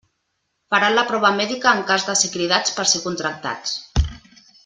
Faran la prova mèdica en cas de ser cridats per ser contractats.